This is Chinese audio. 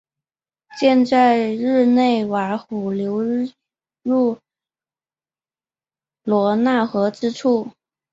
建在日内瓦湖流入罗讷河之处。